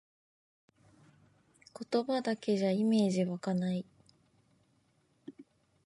言葉だけじゃイメージわかない